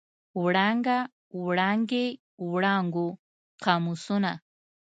وړانګه، وړانګې، وړانګو، قاموسونه.